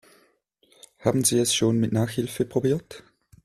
Haben Sie es schon mit Nachhilfe probiert?